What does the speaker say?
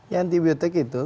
ya antibiotik itu